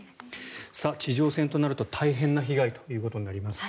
地上戦となると大変な被害となります。